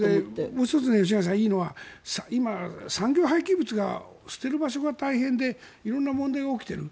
もう１つ吉永さん、いいのは今、産業廃棄物が捨てる場所が大変で色々な問題が起きている。